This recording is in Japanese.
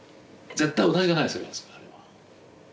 絶対同じじゃないですよあれは。